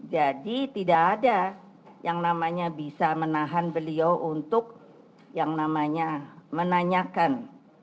jadi tidak ada yang namanya bisa menahan beliau untuk yang namanya menanyakan